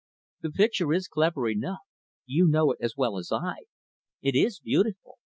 The picture is clever enough you know it as well as I. It is beautiful.